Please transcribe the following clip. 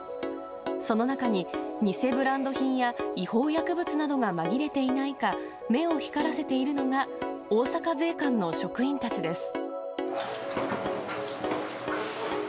その中に、偽ブランド品や違法薬物などがまぎれていないか、目を光らせているのが、大阪税関の職員たちです。